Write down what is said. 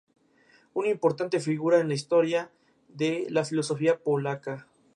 Es una importante figura en la historia de la filosofía polaca.